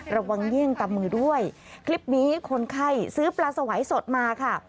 ระวังยิ่งตามมือด้วยคลิปนี้คนไข้ซื้อปลาสวัยสดมาค่ะ